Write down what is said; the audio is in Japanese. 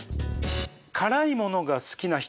「辛いものが好きな人は」。